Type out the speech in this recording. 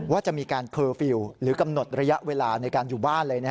ว่าจะมีการเคอร์ฟิลล์หรือกำหนดระยะเวลาในการอยู่บ้านเลย